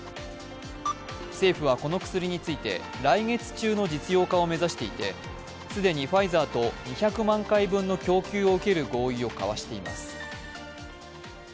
政府はこの薬について来月中の実用化を目指していて既にファイザーと２００万回分の供給を受ける合意を交わしています。